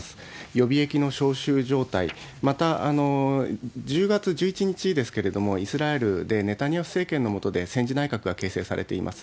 予備役の招集状態、また、１０月１１日ですけれども、イスラエルでネタニヤフ政権の下で戦時内閣が形成されています。